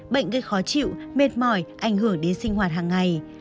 bệnh gây khó chịu mệt mỏi ảnh hưởng đến sinh hoạt hàng ngày